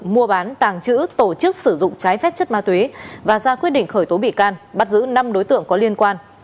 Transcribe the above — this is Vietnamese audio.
mua bán tàng trữ tổ chức sử dụng trái phép chất ma túy và ra quyết định khởi tố bị can bắt giữ năm đối tượng có liên quan